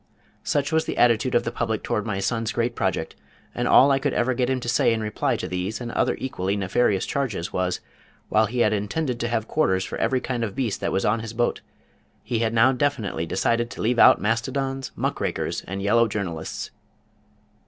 Such was the attitude of the public toward my son's great project, and all I could ever get him to say in reply to these and other equally nefarious charges was, while he had intended to have quarters for every kind of beast on board his boat, he had now definitely decided to leave out Mastodons, Muck Rakers and Yellow Journalists!